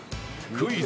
クイズ？